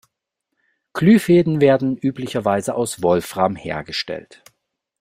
Glühfäden werden üblicherweise aus Wolfram hergestellt.